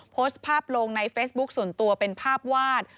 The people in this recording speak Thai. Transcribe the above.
โพสต์ภาพลงในเฟซบุ๊คส่วนตัวเป็นภาพวาด